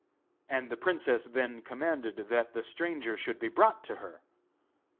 And the princess then commanded that the stranger should be brought to her.